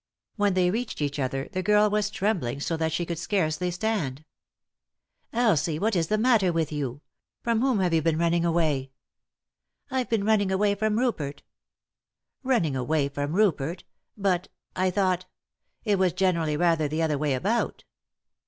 When they reached each other the girl was trembling so that she could scarcely stand. " Elsie I What is the matter with you f From whom have you been running away ?"" I've been running away from Rupert" " Running away from Rupert t But — I thought it was generally rather the other way about."